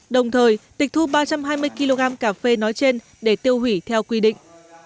đồng thời tịch thu ba trăm hai mươi kg cà phê nói trên để tiêu hủy theo quy định